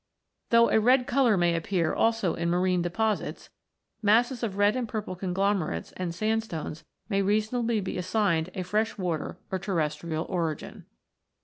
Though a red colour may appear also in marine deposits, masses of red and purple conglomerates and sandstones may reasonably be assigned a freshwater or terrestrial origin.